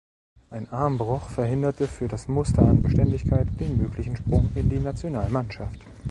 Ein Armbruch verhinderte für das „Muster an Beständigkeit“ den möglichen Sprung in die Nationalmannschaft.